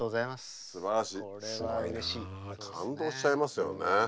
感動しちゃいますよね。